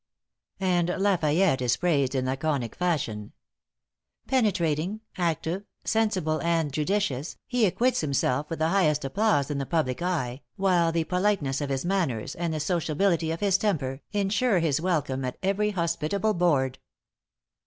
And La Fayette is praised in laconic fashion: "Penetrating, active, sensible, and judicious, he acquits himself with the highest applause in the public eye, while the politeness of his manners, and the sociability of his temper, insure his welcome at every hospitable board."